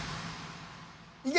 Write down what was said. いけ！